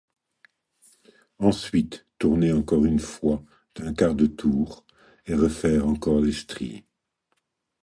Ensuite tourner encore la boite d'un quart de tour et refaire encore les stries.